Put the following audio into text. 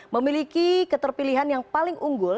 memiliki keterpilihan yang paling unggul